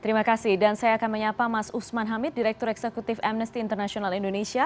terima kasih dan saya akan menyapa mas usman hamid direktur eksekutif amnesty international indonesia